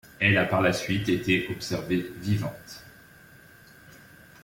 Elle a par la suite été observée vivante.